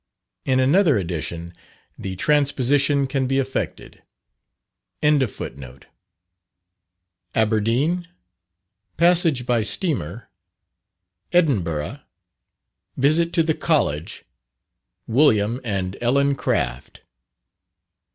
In another edition, the transposition can be effected. _Aberdeen Passage by Steamer Edinburgh Visit to the College William and Ellen Craft.